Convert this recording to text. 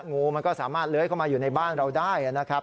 งูมันก็สามารถเลื้อยเข้ามาอยู่ในบ้านเราได้นะครับ